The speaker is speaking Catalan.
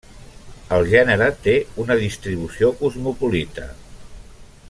El gènere té una distribució cosmopolita.